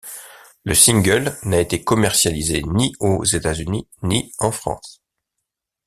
Le single n'a été commercialisé ni aux États-Unis ni en France.